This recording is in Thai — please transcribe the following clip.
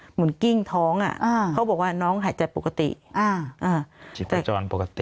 หมุนกิ้งท้องอ่ะเขาบอกว่าน้องหายใจปกติอ่าอ่าชิปจรปกติ